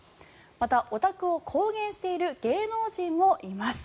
また、オタクを公言している芸能人もいます。